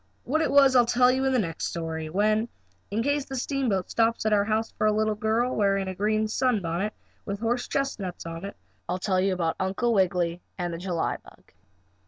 What it was I'll tell you in the next story when, in case the steamboat stops at our house for a little girl wearing a green sunbonnet, with horse chestnuts on it, I'll tell you about Uncle Wiggily and the July bug.